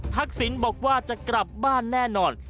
ศิลป์บอกว่าจะกลับบ้านแน่นอน